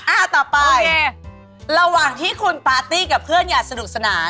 อ่าต่อไประหว่างที่คุณปาร์ตี้กับเพื่อนอย่างสนุกสนาน